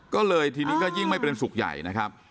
ก็เลยทีนี้ก็ยิ่งไม่เป็นสุขใหญ่นะครับ